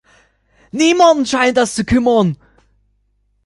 Niemanden scheint das zu kümmern.